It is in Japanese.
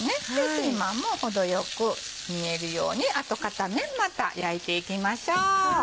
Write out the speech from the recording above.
ピーマンも程よく煮えるようにあと片面また焼いていきましょう。